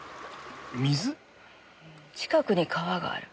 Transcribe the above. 近くに川がある。